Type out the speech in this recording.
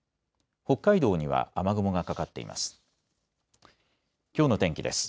北海道には雨雲がかかっています。